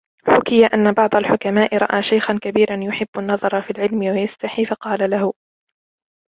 حُكِيَ أَنَّ بَعْضَ الْحُكَمَاءِ رَأَى شَيْخًا كَبِيرًا يُحِبُّ النَّظَرَ فِي الْعِلْمِ وَيَسْتَحِي فَقَالَ لَهُ